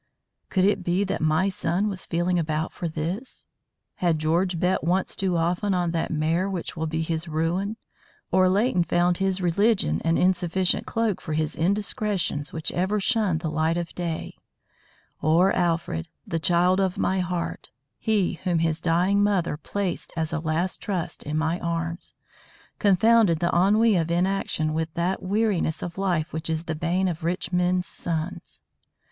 Could it be that my son was feeling about for this? Had George bet once too often on that mare which will be his ruin, or Leighton found his religion an insufficient cloak for indiscretions which ever shunned the light of day; or Alfred the child of my heart, he whom his dying mother placed as a last trust in my arms confounded the ennui of inaction with that weariness of life which is the bane of rich men's sons?